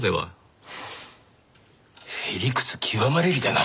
屁理屈極まれりだな。